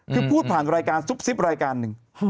คือพูดผ่านรายการซุบซิบรายการหนึ่ง